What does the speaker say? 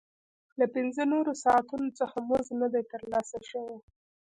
له پنځه نورو ساعتونو څخه مزد نه دی ترلاسه شوی